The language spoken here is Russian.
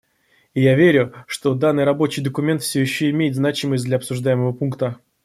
И я верю, что данный рабочий документ все еще имеет значимость для обсуждаемого пункта.